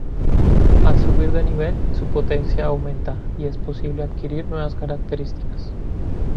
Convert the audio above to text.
Al subir de nivel, su potencia aumenta y es posible adquirir nuevas características.